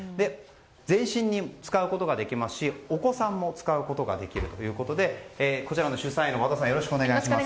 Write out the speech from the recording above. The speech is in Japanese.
全身に使うことができますしお子さんも使うことができるということで和田さんよろしくお願いします。